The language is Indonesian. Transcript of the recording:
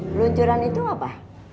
peluncuran itu apa